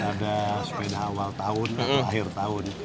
ada sepeda awal tahun atau akhir tahun